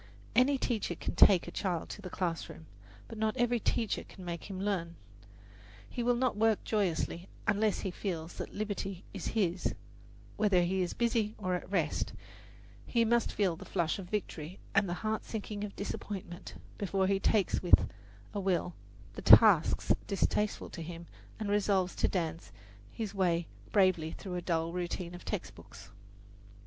Any teacher can take a child to the classroom, but not every teacher can make him learn. He will not work joyously unless he feels that liberty is his, whether he is busy or at rest; he must feel the flush of victory and the heart sinking of disappointment before he takes with a will the tasks distasteful to him and resolves to dance his way bravely through a dull routine of textbooks.